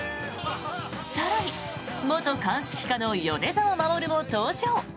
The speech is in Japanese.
更に元鑑識課の米沢守も登場。